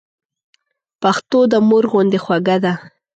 پښتو د مور غوندي خوږه ده.